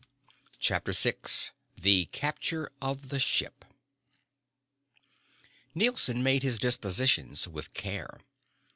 CHAPTER VI The Capture of the Ship Nielson made his dispositions with care.